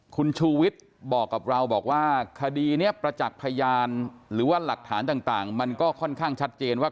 คุณชูวิทย์บอกกับเราบอกว่าคดีนี้ประจักษ์พยานหรือว่าหลักฐานต่างมันก็ค่อนข้างชัดเจนว่า